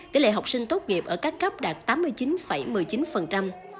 tỷ lệ học sinh tốt nghiệp ở các cấp đạt tám mươi chín một mươi chín